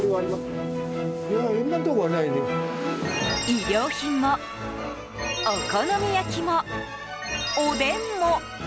衣料品も、お好み焼きもおでんも。